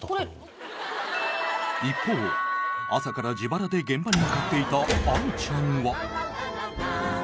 一方朝から自腹で現場に向かっていたアンちゃんは。